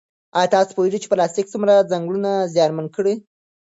ایا تاسو پوهېږئ چې پلاستیک څومره ځنګلونه زیانمن کړي؟